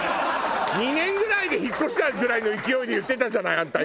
２年ぐらいで引っ越したぐらいの勢いで言ってたじゃないあんた